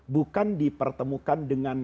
bukan dipertemukan dengan